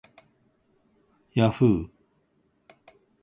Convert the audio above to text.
yahhoo